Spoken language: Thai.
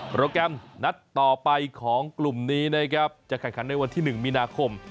โปรแกรมนัดต่อไปของกลุ่มนี้นะครับจะแข่งขันในวันที่๑มีนาคม